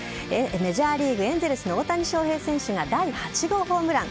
メジャーリーグエンゼルスの大谷翔平選手が第８号ホームラン。